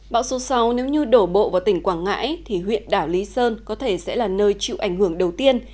bão số sáu nếu như đổ bộ vào tỉnh quảng ngãi thì huyện đảo lý sơn có thể sẽ là nơi chịu ảnh hưởng đầu tiên